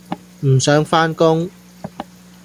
唔想返工